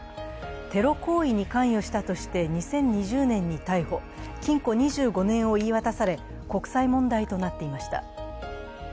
テロ行為に関与したとして２０２０年に逮捕、禁錮２５年を言い渡され、国際問題となっていました。